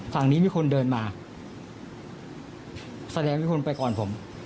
ฝั่งนี้มีคนเดินมาแสดงมีคนไปก่อนผม